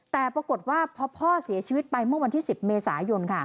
แต่ปรากฏว่าพอพ่อเสียชีวิตไปเมื่อวันที่๑๐เมษายน